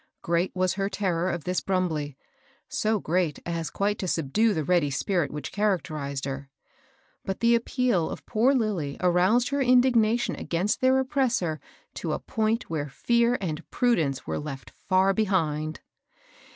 Great was her terror of this Brumbley, —so great as quite to subdue the ready spirit which characterized her. But the appeal of poor Lilly aroused her indignation against their oppressor to a point where fear and prudence were left far behind.